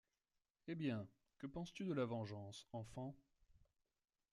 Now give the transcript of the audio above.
Hé bien! que penses-tu de la vengeance, enfant?